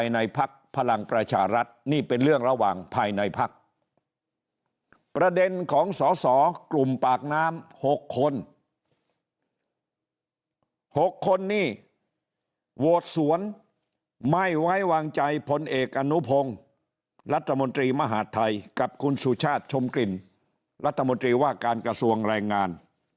หกคนนี้โหวดสวนไม่ไว้วางใจผลเอกอนุพงศ์รัฐมนตรีมหาธัยกับคุณสุชาติชมกลิ่นรัฐมนตรีว่าการกระทรวงแรงงาน